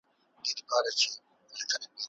اوس د خانانو د لاهور په دې کباب جنګ دی